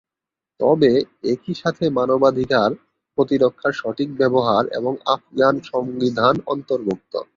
তবে একই সাথে মানবাধিকার, প্রতিরক্ষার সঠিক ব্যবহার এবং আফগান সংবিধান অন্তর্ভুক্ত।